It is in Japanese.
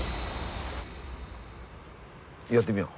やってみよう。